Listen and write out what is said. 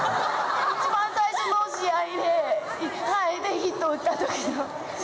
一番最初の試合でヒットを打ったときの。